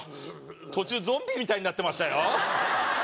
途中ゾンビみたいになってましたよ